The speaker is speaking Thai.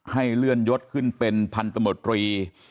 ให้เลื่อนยศขึ้นเป็นพันธมตรี